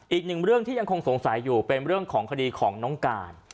อีกหนึ่งเรื่องที่ยังคงสงสัยอยู่เป็นเรื่องของคดีของน้องการ